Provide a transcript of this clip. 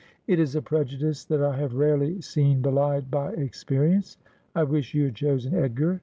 'It is a prejudice that I have rarely seen belied by experi ence. I wish you had chosen Edgar.